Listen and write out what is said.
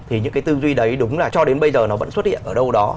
thì những cái tư duy đấy đúng là cho đến bây giờ nó vẫn xuất hiện ở đâu đó